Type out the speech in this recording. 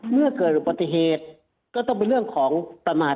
เมื่อเกิดอุบัติเหตุก็ต้องเป็นเรื่องของประมาท